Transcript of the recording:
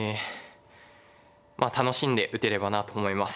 まあ楽しんで打てればなと思います。